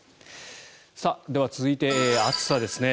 では、続いて暑さですね。